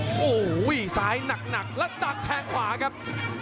โอ้โหซ้ายหนักแล้วดักแทงขวาครับ